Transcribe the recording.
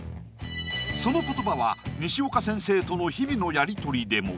その言葉は西岡先生との日々のやり取りでも